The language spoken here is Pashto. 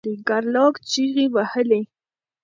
ګارلوک چیغې وهلې.